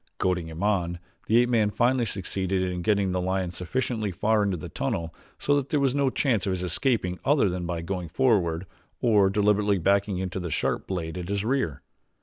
Goading him on the ape man finally succeeded in getting the lion sufficiently far into the tunnel so that there was no chance of his escaping other than by going forward or deliberately backing into the sharp blade at his rear.